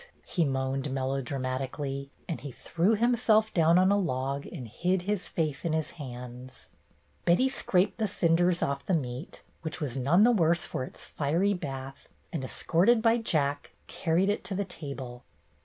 he moaned, melodramatically, and he threw himself down on a log and hid his face in his hands. Betty scraped the cinders off the meat, which was none the worse for its fiery bath, and, escorted by Jack, carried it to the table.